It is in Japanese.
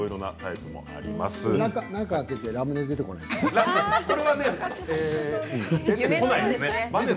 中を開けて、ラムネとか出てこないの？